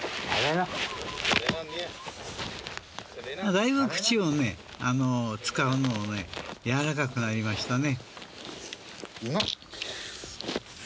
だいぶ、口をね使うのがやわらかくなりましたね。